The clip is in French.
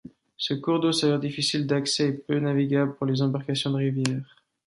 Ce cours d'eau s'avère difficile d'accès et peu navigable pour les embarcations de rivière.